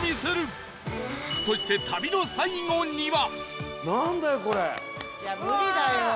そして旅の最後には